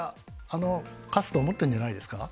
勝つと思ってるんじゃないですか。